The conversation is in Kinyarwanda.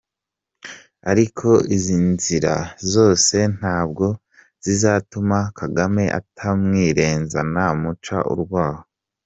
Ariko izi nzira zose ntabwo zizatuma Kagame atamwirenza namuca urwaho.